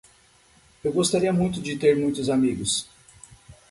Eu gostaria muito de ter muitos amigos